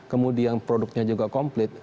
kemudian produknya juga komplit